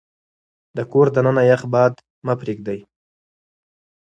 د کور دننه يخ باد مه پرېږدئ.